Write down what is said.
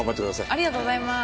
ありがとうございます。